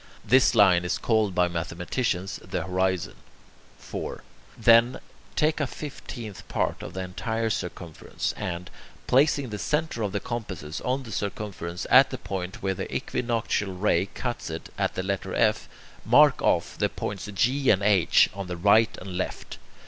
This line is called by mathematicians the horizon. 4. Then, take a fifteenth part of the entire circumference, and, placing the centre of the compasses on the circumference at the point where the equinoctial ray cuts it at the letter F, mark off the points G and H on the right and left.